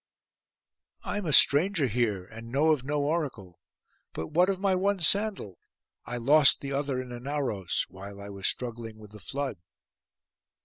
'I am a stranger here, and know of no oracle; but what of my one sandal? I lost the other in Anauros, while I was struggling with the flood.